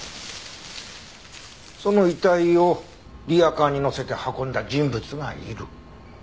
その遺体をリヤカーにのせて運んだ人物がいる。